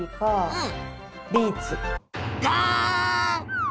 うん！